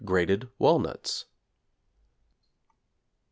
grated walnuts. =98.